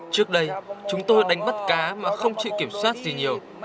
trước đây chúng tôi đánh bắt cá mà không chịu kiểm soát gì nhiều